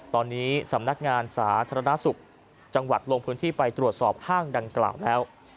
ตอนนี้สำนักงานสาธารณสุขจังหวัดลงพื้นที่ไปตรวจสอบห้างดังกล่าวแล้ว